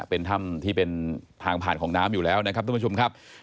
เป็นถ้ำที่เป็นทางผ่านของน้ำอยู่แล้วนะครับทุกผู้ชมครับ